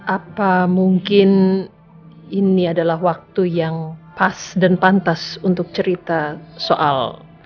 apa mungkin ini adalah waktu yang pas dan pantas untuk cerita soal